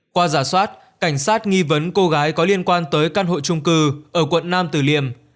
qua giả soát cảnh sát nghi vấn cô gái có liên quan tới căn hộ trung cư ở quận nam tử liêm